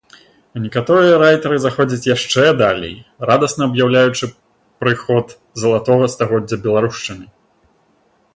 А некаторыя райтары заходзяць яшчэ далей, радасна аб'яўляючы прыход залатога стагоддзя беларушчыны.